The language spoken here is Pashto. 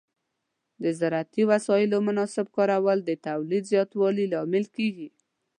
د زراعتي وسایلو مناسب کارول د تولید زیاتوالي لامل کېږي.